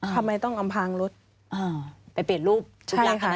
ทำไมต้องอำพางรถไปเปลี่ยนรูปใช่ค่ะ